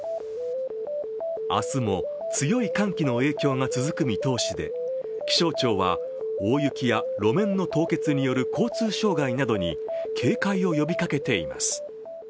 明日も強い寒気の影響が続く見通しで気象庁は大雪や路面の凍結による交通障害などに警戒を呼びかけています。